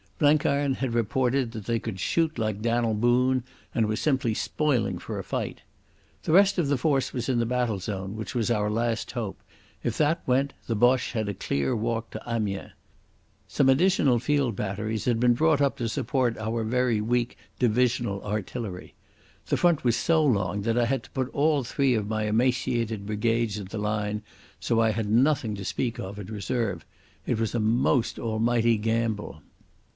Blenkiron had reported that they could shoot like Dan'l Boone, and were simply spoiling for a fight. The rest of the force was in the battle zone, which was our last hope. If that went the Boche had a clear walk to Amiens. Some additional field batteries had been brought up to support our very weak divisional artillery. The front was so long that I had to put all three of my emaciated brigades in the line, so I had nothing to speak of in reserve. It was a most almighty gamble.